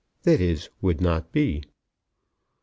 That is, would not be. 9.